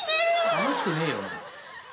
楽しくねえよお前。